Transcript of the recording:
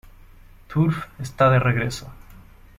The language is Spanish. Turf está de regreso.